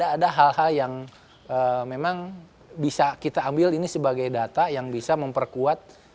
ada hal hal yang memang bisa kita ambil ini sebagai data yang bisa memperkuat